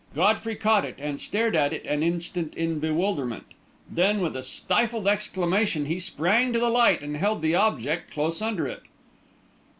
Godfrey caught it, and stared at it an instant in bewilderment; then, with a stifled exclamation, he sprang to the light and held the object close under it.